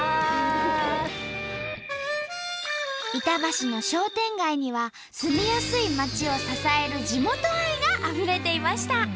板橋の商店街には住みやすい街を支える地元愛があふれていました。